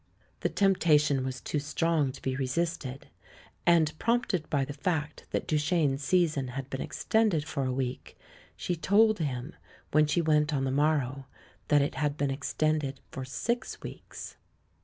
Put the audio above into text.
The temptation was too strong to be resisted; and, prompted by the fact that Duchene's season had been extended for a week, she told him, when she went on the morrow, that it had been extend ed for six weeks.